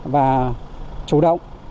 và chủ động cho các doanh nghiệp